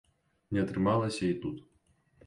Не атрымалася і тут.